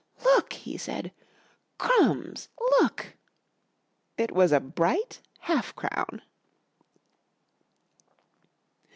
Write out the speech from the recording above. "Look!" he said. "Crumbs! Look!" It was a bright half crown.